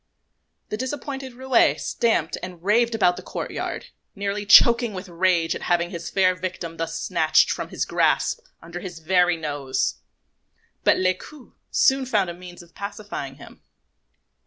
The disappointed roué stamped and raved about the courtyard, nearly choking with rage at having his fair victim thus snatched from his grasp under his very nose; but Lescaut soon found a means of pacifying him.